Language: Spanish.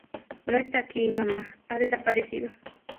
No está aquí, mamá. Ha desaparecido.